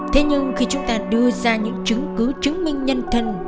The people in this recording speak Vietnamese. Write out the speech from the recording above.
thế nhưng khi chúng ta đưa ra những chứng cứ chứng minh nhân thân